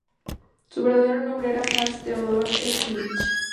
Su verdadero nombre era Franz Theodor Schmitz.